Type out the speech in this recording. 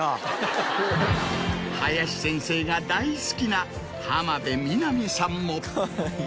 林先生が大好きな浜辺美波さんも。